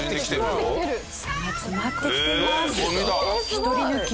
１人抜き。